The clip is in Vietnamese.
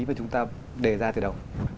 mà chúng ta đề ra từ đầu